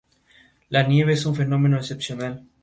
La nieve es un fenómeno excepcional.